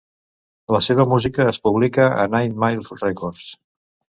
La seva música es publica a Nine Mile Records.